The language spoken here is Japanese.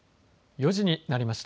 ４時になりました。